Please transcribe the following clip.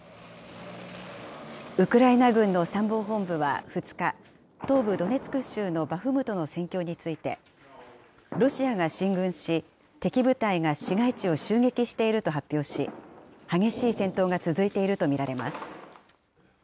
ウクライナ軍の参謀本部は２日、東部ドネツク州のバフムトの戦況について、ロシアが進軍し、敵部隊が市街地を襲撃していると発表し、激しい戦闘が続いていると見られます。